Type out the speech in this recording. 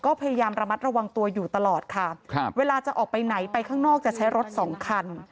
ก็พยายามระมัดระวังตัวอยู่ตลอดค่ะครับเวลาจะออกไปไหนไปข้างนอกจะใช้รถสองคัน